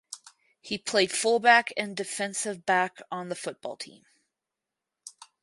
He played fullback and defensive back on the football team.